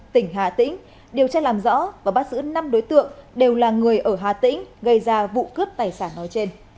tỉnh hà tĩnh điều tra làm rõ và bắt giữ năm đối tượng đều là người ở hà tĩnh gây ra vụ cướp tài sản nói trên